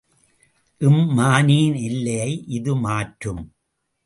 இம்மானியின் எல்லையை இது மாற்றும்.